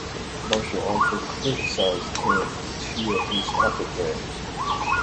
Marcial also criticized him in two of his epigrams.